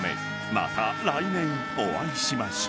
［また来年お会いしましょう］